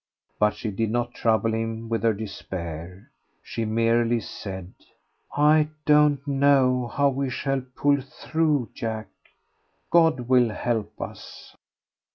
But she did not trouble him with her despair. She merely said "I don't know how we shall pull through, Jack. God will help us."